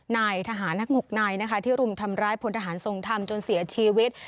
นายทหารทั้ง๖นายนะคะที่รุมทำร้ายพลทหารทรงธรรมจนเสียชีวิต